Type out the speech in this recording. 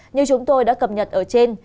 như chúng tôi đã cập nhật ở trên